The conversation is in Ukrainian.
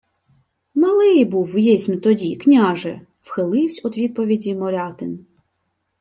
— Малий був єсмь тоді, княже, — вхиливсь од відповіді Морятин.